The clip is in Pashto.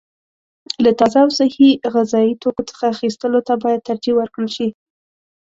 له تازه او صحي غذايي توکو څخه اخیستلو ته باید ترجیح ورکړل شي.